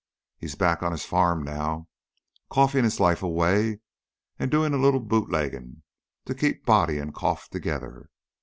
He's back on his farm now, coughing his life away and doing a little bootleggin' to keep body and cough together.